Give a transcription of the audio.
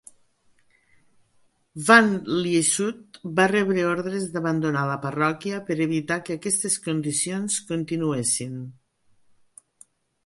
Van Lieshout va rebre ordres d'abandonar la parròquia per evitar que aquestes condicions continuessin.